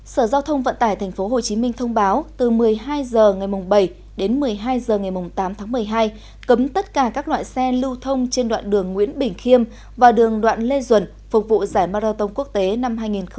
sở giao thông vận tải tp hcm thông báo từ một mươi hai h ngày bảy đến một mươi hai h ngày tám tháng một mươi hai cấm tất cả các loại xe lưu thông trên đoạn đường nguyễn bình khiêm và đường đoạn lê duẩn phục vụ giải marathon quốc tế năm hai nghìn một mươi chín